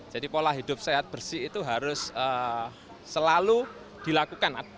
jadi pola hidup sehat bersih itu harus selalu dilakukan